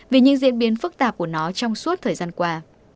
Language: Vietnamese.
vì những diễn biến phức tạp của nó trong suốt thời gian qua